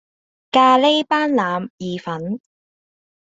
咖哩班腩意粉